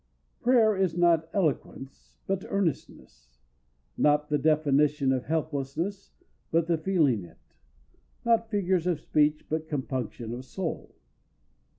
Prayer is not eloquence, but earnestness: not the definition of helplessness, but the feeling it; not figures of speech, but compunction of soul.